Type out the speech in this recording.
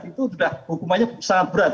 itu sudah hukumannya sangat berat